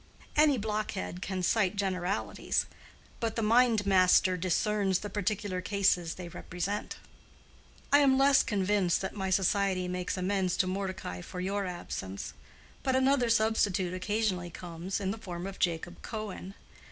Any blockhead can cite generalities, but the mind master discerns the particular cases they represent. I am less convinced that my society makes amends to Mordecai for your absence, but another substitute occasionally comes in the form of Jacob Cohen.